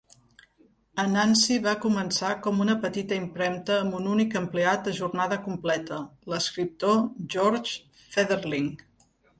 Anansi va començar com una petita impremta amb un únic empleat a jornada completa, l'escriptor George Fetherling.